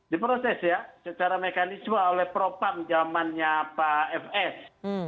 diproses ya secara mekaniswa oleh propam jamannya pak fs